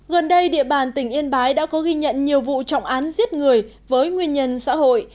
gần đây địa bàn tỉnh yên bái đã có ghi nhận nhiều vụ trọng án giết người với nguyên nhân xã hội